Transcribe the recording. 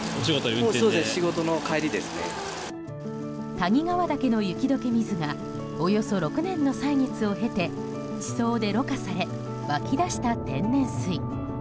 谷川岳の雪解け水がおよそ６年の歳月を経て地層で、ろ過され湧き出した天然水。